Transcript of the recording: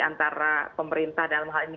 antara pemerintah dalam hal ini